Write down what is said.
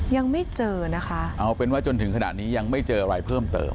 ยังไม่เจอนะคะเอาเป็นว่าจนถึงขณะนี้ยังไม่เจออะไรเพิ่มเติม